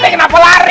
pak rt kenapa lari